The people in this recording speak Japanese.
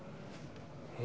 え？